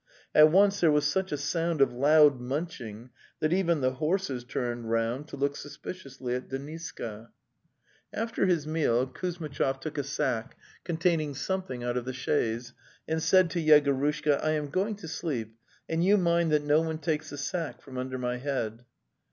At once there was such a sound of loud munching that even the horses turned round to look suspiciously at Deniska. 176 The Tales of Chekhov After his meal Kuzmitchov took a sack contain ing something out of the chaise and said to Yego rushka: '"T am going to sleep, and you mind that no one takes the sack from under my head."